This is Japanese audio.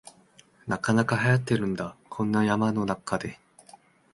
なかなかはやってるんだ、こんな山の中で